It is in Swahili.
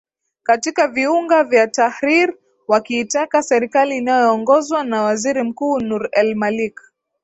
katika viunga vya tahrir wakiitaka serikali inayoongozwa na waziri mkuu nur el malik